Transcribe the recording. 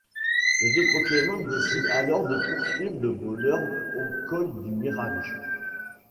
Les deux Pokémon décident alors de poursuivre le voleur au Col du Mirage.